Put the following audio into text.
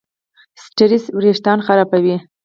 سټرېس وېښتيان خرابوي.